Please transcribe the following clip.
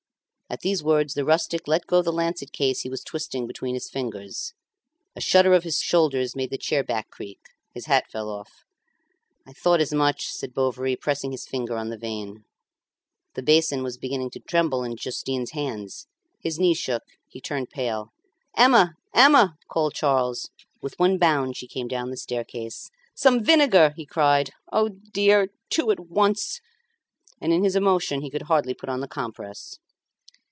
At these words the rustic let go the lancet case he was twisting between his fingers. A shudder of his shoulders made the chair back creak. His hat fell off. "I thought as much," said Bovary, pressing his finger on the vein. The basin was beginning to tremble in Justin's hands; his knees shook, he turned pale. "Emma! Emma!" called Charles. With one bound she came down the staircase. "Some vinegar," he cried. "O dear! two at once!" And in his emotion he could hardly put on the compress.